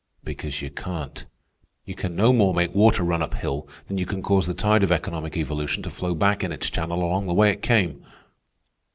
Because you can't. You can no more make water run up hill than can you cause the tide of economic evolution to flow back in its channel along the way it came.